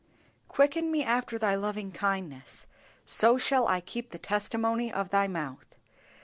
"Quicken me after Thy loving kindness, so shall I keep the testimony of Thy mouth."